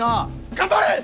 頑張れ！